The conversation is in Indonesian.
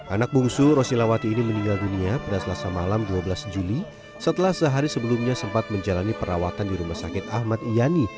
anak bungsu rosilawati ini meninggal dunia pada selasa malam dua belas juli setelah sehari sebelumnya sempat menjalani perawatan di rumah sakit ahmad yani